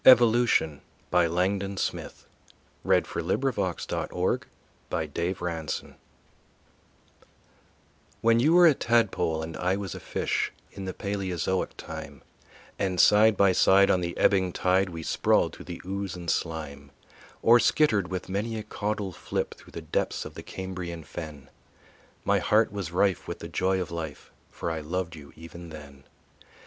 C D . E F . G H . I J . K L . M N . O P . Q R . S T . U V . W X . Y Z Evolution When you were a tadpole and I was a fish In the Paleozoic time, And side by side on the ebbing tide We sprawled through the ooze and slime, Or skittered with many a caudal flip Through the depths of the Cambrian fen, My heart was rife with the joy of life, For I loved you even then.